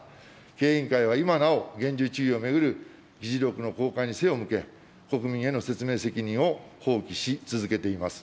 経営委員会は今なお、厳重注意を巡る議事録の公開に背を向け、国民への説明責任を放棄し続けています。